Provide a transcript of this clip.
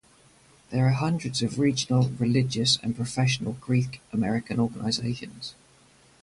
There are hundreds of regional, religious and professional Greek American organizations.